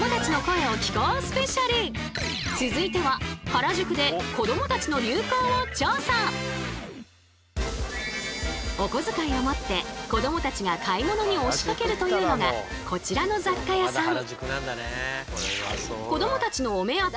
続いてはおこづかいを持って子どもたちが買い物に押しかけるというのがこちらの雑貨屋さん。